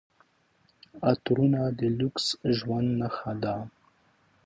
عطرونه د لوکس ژوند نښه ده.